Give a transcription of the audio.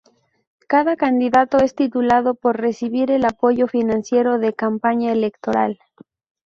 Cada candidato es titulado por recibir el apoyo financiero de campaña electoral.